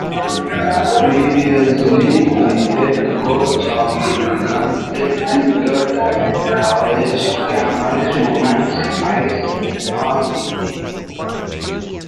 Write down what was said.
Previously the head coach of the Connecticut College Camels women's ice hockey team.